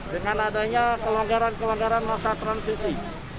dengan adanya pelonggaran pelonggaran masa transisi